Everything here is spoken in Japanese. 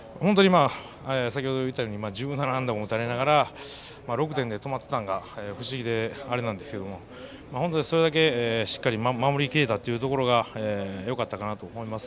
先程言ったように１７安打も打たれながら６点で止まったのが不思議なんですがそれだけしっかり守り切れたところがよかったかなと思います。